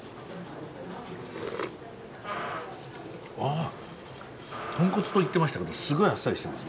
あ豚骨と言ってましたけどすごいあっさりしてます。